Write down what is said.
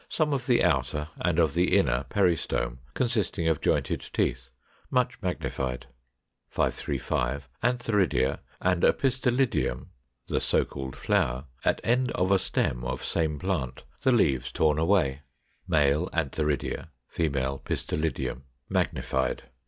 Some of the outer and of the inner peristome (consisting of jointed teeth) much magnified. 535. Antheridia and a pistillidium (the so called flower) at end of a stem of same plant, the leaves torn away (♂, antheridia, ♀, pistillidium), magnified.